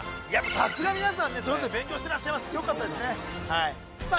さすが皆さんそれぞれ勉強してらっしゃいます強かったですねさあ